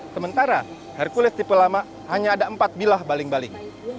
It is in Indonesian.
sementara hercules tipe lama hanya ada empat bilah baling baling